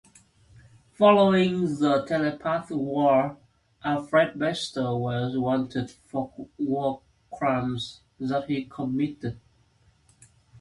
Following the Telepath War, Alfred Bester was wanted for war crimes that he committed.